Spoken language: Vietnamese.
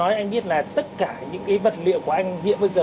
nói anh biết là tất cả những cái vật liệu của anh hiện bây giờ